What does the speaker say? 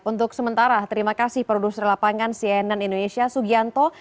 untuk sementara terima kasih produser lapangan cnn indonesia sugianto